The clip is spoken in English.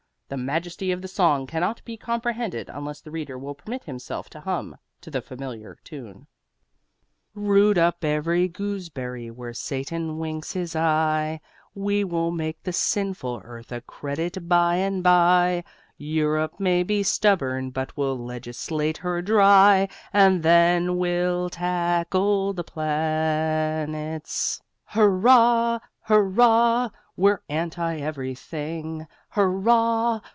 The majesty of the song cannot be comprehended unless the reader will permit himself to hum to the familiar tune: Root up every gooseberry where Satan winks his eye We will make the sinful earth a credit by and by: Europe may be stubborn, but we'll legislate her dry, And then we'll tackle the planets. Chorus: Hurrah! Hurrah! We're anti everything Hurrah!